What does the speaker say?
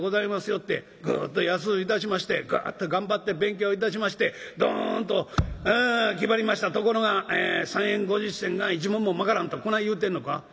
よってぐっと安ういたしましてぐっと頑張って勉強いたしましてどんと気張りましたところが３円５０銭が１文もまからんとこない言うてんのか？」。